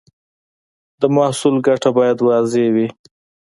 د محصول ګټه باید واضح وي.